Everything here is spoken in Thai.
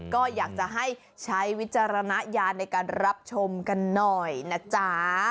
ก็อยากจะให้ใช้วิจารณญาณในการรับชมกันหน่อยนะจ๊ะ